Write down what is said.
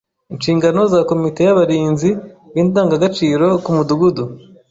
Inshingano za komite y’Abarinzi b’Indangagaciro ku Mudugudu